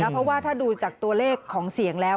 เพราะว่าถ้าดูจากตัวเลขของเสียงแล้ว